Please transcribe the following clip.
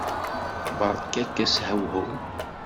Berka-k ashewhew!